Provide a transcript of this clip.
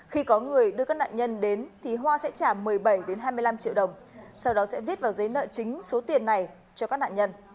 khi có người đưa các nạn nhân đến thì hoa sẽ trả một mươi bảy hai mươi năm triệu đồng sau đó sẽ viết vào giấy nợ chính số tiền này cho các nạn nhân